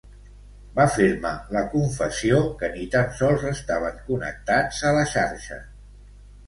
Va fer-me la confessió que ni tan sols estaven connectats a la xarxa.